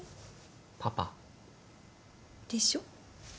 パパ？でしょ？